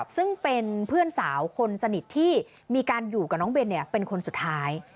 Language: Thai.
ซึ่งเป็นเพื่อนสาวคนสนิทที่มีการอยู่กับน้องเบนเป็นคนสุดท้าย